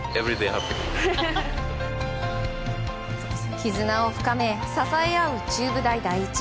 絆を深め支え合う中部大第一。